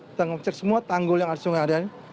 kita ngecek semua tanggul yang ada di sungai ada ini